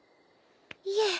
いえ